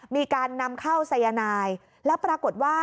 มีการนำเข้าสายนายแล้วปรากฏว่า